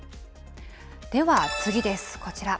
では次です、こちら。